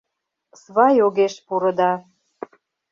Свай огеш пурыда...